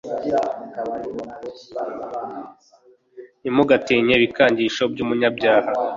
ntimugatinye ibikangisho by'umunyabyaha